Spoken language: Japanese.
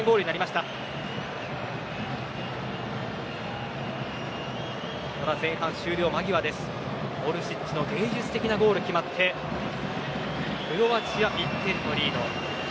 ただ前半終了間際オルシッチの芸術的なゴールが決まってクロアチア１点のリード。